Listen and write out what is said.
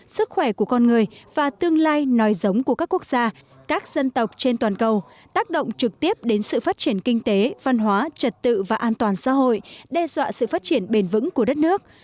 sức khỏe của con người và tương lai nói giống của các quốc gia các dân tộc trên toàn cầu tác động trực tiếp đến sự phát triển kinh tế văn hóa trật tự và an toàn xã hội đe dọa sự phát triển bền vững của đất nước